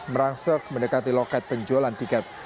merangsek mendekati loket penjualan tiket